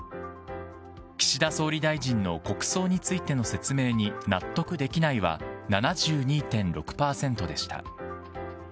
岸田総理大臣の国葬についての説明に納得できないは７２．６％でした。